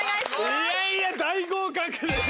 いやいや大合格です。